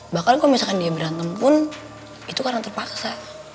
bahkan kalau misalkan dia berantem pun itu karena terpaksa